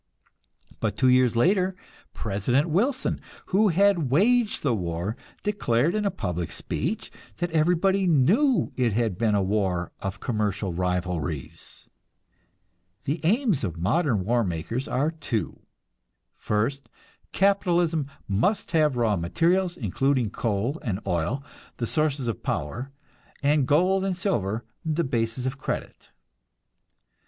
But two years later President Wilson, who had waged the war, declared in a public speech that everybody knew it had been a war of commercial rivalries. The aims of modern war makers are two. First, capitalism must have raw materials, including coal and oil, the sources of power, and gold and silver, the bases of credit.